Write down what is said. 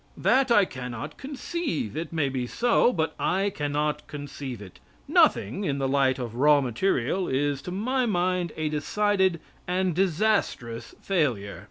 That I cannot conceive; it may be so, but I cannot conceive it. Nothing in the light of raw material, is, to my mind, a decided and disastrous failure.